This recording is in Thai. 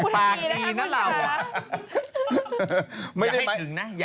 ปากดีนะเรา